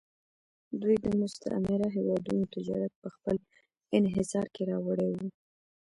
دوی د مستعمره هېوادونو تجارت په خپل انحصار کې راوړی و